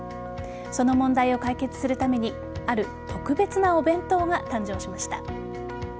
その問題を解決するためにある特別なお弁当が誕生しました。